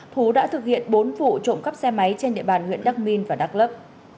thú đã thực hiện bốn vụ trộm cắp xe máy trên địa bàn huyện đắc minh và đắc lấp